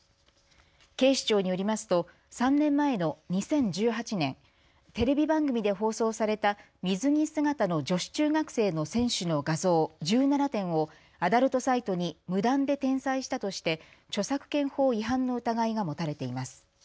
警視庁によりますと３年前の２０１８年、テレビ番組で放送された水着姿の女子中学生の選手の画像１７点をアダルトサイトに無断で転載したとして著作権法違反の疑いが持たれています。